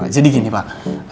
jadi gini pak